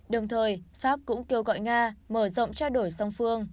đồng thời pháp cũng kêu gọi nga mở rộng trao đổi song phương